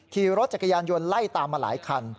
ขี่รถจักรยานยนต์ไล่ตามมาหลายคัน